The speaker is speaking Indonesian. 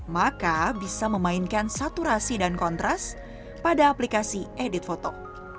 maka bisa memainkan saturasi dan kontras pada aplikasi edit foto